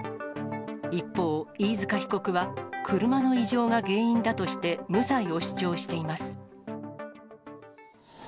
一方、飯塚被告は車の異常が原因だとして無罪を主張しています。